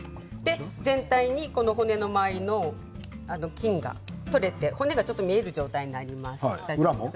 全体に骨の周りのけんが取れて骨が見える状態になりました。